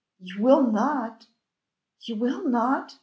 "You will not! You will not!"